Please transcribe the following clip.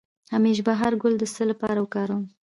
د همیش بهار ګل د څه لپاره وکاروم؟